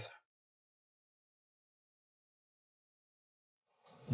jangan sedih sedih lagi